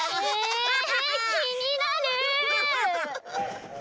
きになる！